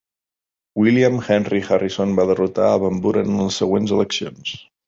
William Henry Harrison va derrotar a Van Buren en les següents eleccions.